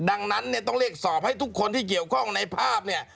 ดังนั้นเนี่ยต้องเรียกสอบให้ทุกคนที่เกี่ยวข้องในภาพเนี่ย